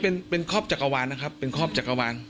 เป็นเป็นครอบจักรวาลนะครับเป็นครอบจักรวาล